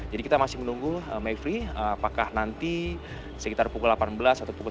jadi kita masih menunggu mayfri apakah nanti sekitar pukul delapan belas atau pukul sembilan belas ini akan ada informasi